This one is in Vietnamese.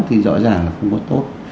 thì rõ ràng là không có tốt